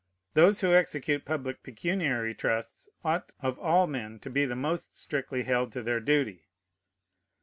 Those who execute public pecuniary trusts ought of all men to be the most strictly held to their duty.